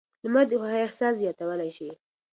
لمر د خوښۍ احساس زیاتولی شي.